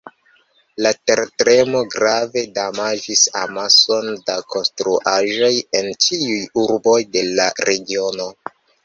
La tertremo grave damaĝis amason da konstruaĵoj en ĉiuj urboj de la regiono.